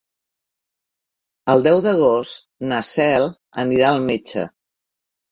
El deu d'agost na Cel anirà al metge.